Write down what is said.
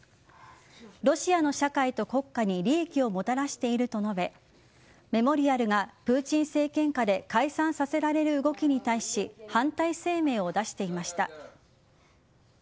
ロシアの社会と国家に利益をもたらしていると述べメモリアルがプーチン政権下で解散させられる動きに対し反対声明を出していました。